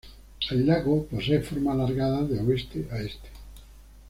El lago posee forma alargada de oeste a este.